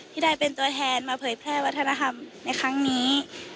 ที่ได้เป็นตัวแทนมาเผยแพร่วัฒนธรรมในครั้งนี้